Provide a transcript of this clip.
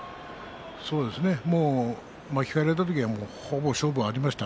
そうですね巻き替えられた時にはほぼ勝負がありましたね。